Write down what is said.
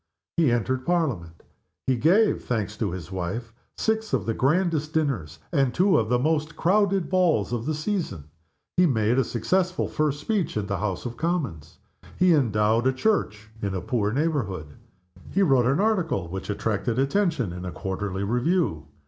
He entered Parliament. He gave (thanks to his wife) six of the grandest dinners, and two of the most crowded balls of the season. He made a successful first speech in the House of Commons. He endowed a church in a poor neighborhood. He wrote an article which attracted attention in a quarterly review.